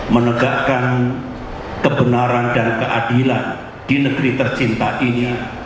menegakkan kebenaran dan keadilan di negeri tercinta ini